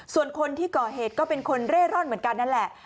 ส่วนคนที่ก่อเหตุก็เป็นคนเร่ร่อนเหมือนกันนั่นแหละ